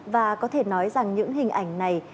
và có thể nói rằng những hình ảnh này